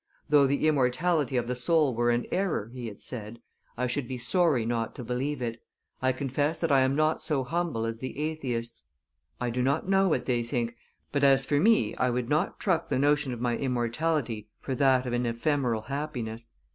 "Though the immortality of the soul were an error," he had said, "I should be sorry not to believe it; I confess that I am not so humble as the atheists. I know not what they think, but as for me I would not truck the notion of my immortality for that of an ephemeral happiness.